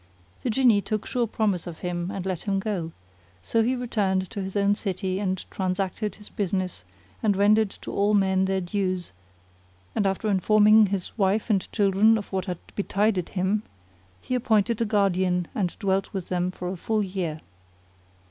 The Jinni took sure promise of him and let him go; so he returned to his own city and transacted his business and rendered to all men their dues and after informing his wife and children of what had betided him, he appointed a guardian and dwelt with them for a full year.